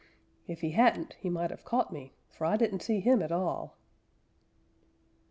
"If he hadn't, he might have caught me, for I didn't see him at all."